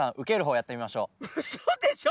うそでしょ！